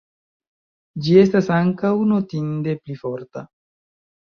Ĝi estas ankaŭ notinde pli forta.